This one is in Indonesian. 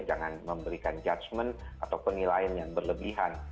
jangan memberikan judgement atau penilaian yang berlebihan